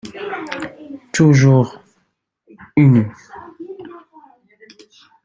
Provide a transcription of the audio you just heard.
Toujours unis